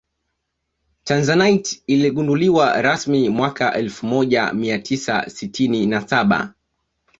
tanzanite iligunduliwa rasmi mwaka elfu moja mia tisa sitini na saba